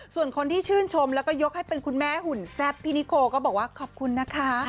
ส่วนคนที่ชื่นชมแล้วก็ยกให้เป็นคุณแม่หุ่นแซ่บพี่นิโคก็บอกว่าขอบคุณนะคะ